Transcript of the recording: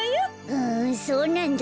ふんそうなんだ。